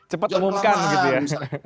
cepet temukan gitu ya